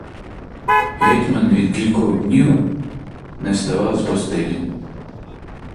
Гетьман від кількох днів не вставав з постелі.